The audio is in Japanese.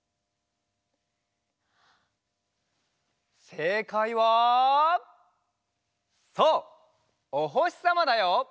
せいかいはそう「おほしさま」だよ。